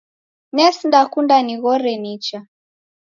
Nesinda kunda nighore nicha